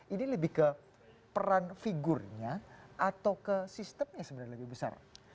ini lebih ke peran figurnya atau ke sistemnya sebenarnya lebih besar